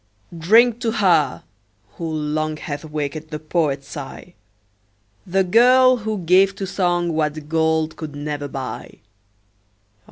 Drink to her, who long, Hath waked the poet's sigh. The girl, who gave to song What gold could never buy.